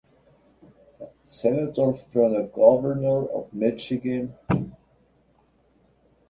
Senator from and Governor of Michigan.